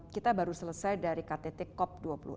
kita baru selesai dari ktt cop dua puluh enam